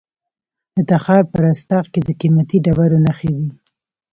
د تخار په رستاق کې د قیمتي ډبرو نښې دي.